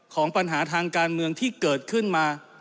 ของปัญหาทางการเมืองที่เกิดขึ้นมา